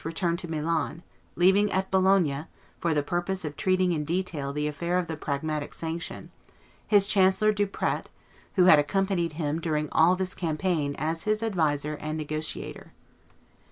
returned to Milan, leaving at Bologna, for the purpose of treating in detail the affair of the Pragmatic Sanction, his chancellor, Duprat, who had accompanied him during all this campaign as his adviser and negotiator.